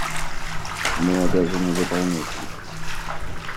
Мы обязаны выполнять их.